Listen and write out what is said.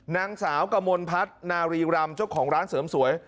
นางสาวกมลพัฒนารีรำเจ้าของร้านเสริมสวย